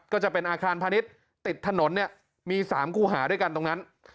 ก็จะเป็นอาคารพาณิชย์ติดถนนเนี่ยมี๓คู่หาด้วยกันตรงนั้น